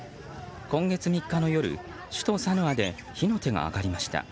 今月３日の夜、首都サヌアで火の手が上がりました。